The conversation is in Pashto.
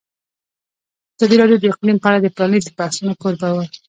ازادي راډیو د اقلیم په اړه د پرانیستو بحثونو کوربه وه.